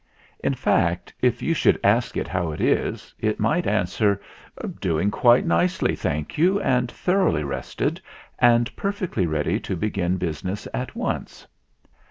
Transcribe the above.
In fact, if you should ask it how it is, it might answer "Doing quite nicely, thank you, and thoroughly rested and perfectly ready to begin business at once